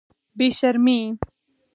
بې شرمې.